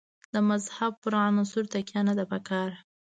د مذهب پر عنصر تکیه نه ده په کار.